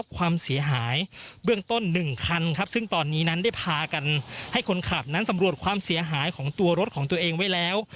ความเสียหายเบื้องต้น๑คันครับซึ่งตอนนี้นั้นได้พากันให้คนขับนั้นสำรวจความเสียหายของตัวรถของตัวเองไว้แล้ว